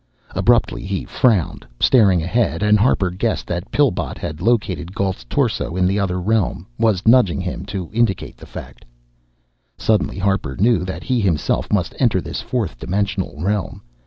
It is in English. Abruptly he frowned, staring ahead, and Harper guessed that Pillbot had located Gault's torso in the other realm, was nudging him to indicate the fact. Suddenly Harper knew that he himself must enter this fourth dimensional realm.